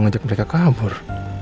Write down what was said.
ngajak mereka kabur